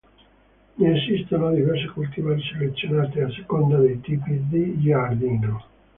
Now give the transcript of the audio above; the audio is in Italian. Ne esistono diverse cultivar selezionate a seconda dei tipi di giardino.